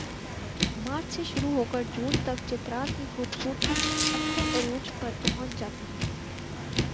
مارچ سے شروع ہوکر جون تک چترال کی خوبصورتی اپنے عروج پر پہنچ جاتی ہے